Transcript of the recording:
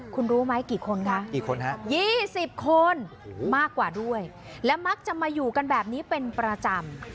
คุณรู้ไหมกี่คนคะกี่คนฮะ๒๐คนมากกว่าด้วยและมักจะมาอยู่กันแบบนี้เป็นประจำ